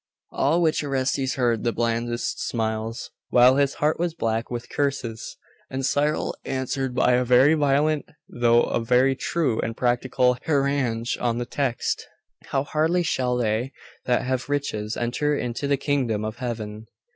All which Orestes heard with blandest smiles, while his heart was black with curses; and Cyril answered by a very violent though a very true and practical harangue on the text, 'How hardly shall they that have riches enter into the kingdom of heaven.